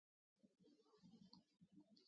ملک صاحب تېره میاشت سخته ظلمه تبه تېره کړه.